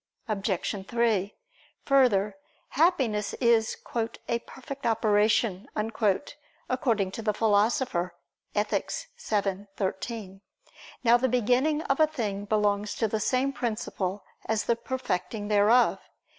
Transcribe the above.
Obj. 3: Further, Happiness is a "perfect operation," according to the Philosopher (Ethic. vii, 13). Now the beginning of a thing belongs to the same principle as the perfecting thereof.